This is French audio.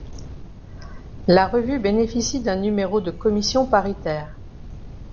La revue bénéficie d’un numéro de commission paritaire.